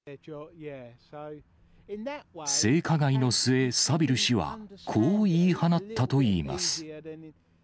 性加害の末、サビル氏は、こう言い放ったといいます。